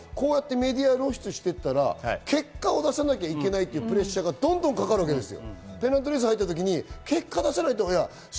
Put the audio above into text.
メディア露出していったら結果を出さなきゃいけないというプレッシャーがかかるわけですよ。